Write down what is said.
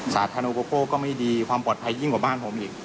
สาธารณูปโภคก็ไม่ดีความปลอดภัยยิ่งกว่าบ้านผมอีก